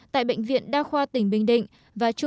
tại bệnh viện đa khoa tỉnh bình định